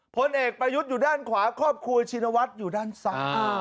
พ้นเอกประยุทธอยู่ด้านขวาครอบครัวอาชีนวัดอยู่ด้านซ้ำ